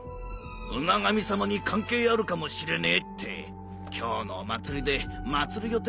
海神様に関係あるかもしれねえって今日のお祭りで祭る予定やったんやけんど。